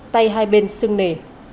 tay hai bên sưng nề